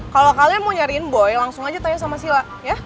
kalau kalian mau nyariin boy langsung aja tanya sama sila ya